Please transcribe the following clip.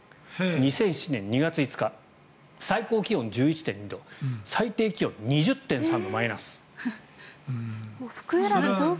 ２００７年２月５日最高気温１１．２度最低気温マイナス２０．３度。